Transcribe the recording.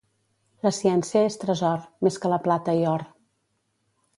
La ciència és tresor, més que la plata i or.